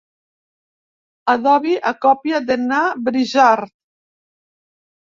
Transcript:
Adobi a còpia de na Brizard.